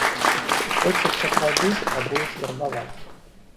Хоць іх сапраўды спрабуюць вербаваць.